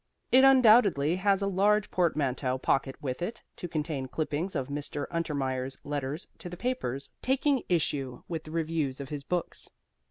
It undoubtedly has a large portmanteau pocket with it, to contain clippings of Mr. Untermeyer's letters to the papers taking issue with the reviews of his books.